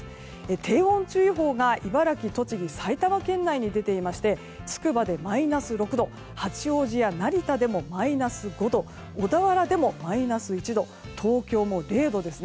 低温注意報が茨城、栃木、埼玉方面に出ていましてつくばでマイナス６度八王子や成田でもマイナス５度小田原でもマイナス１度東京も０度ですね。